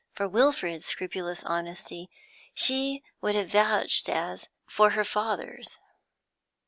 For Wilfrid's scrupulous honesty she would have vouched as for her father's.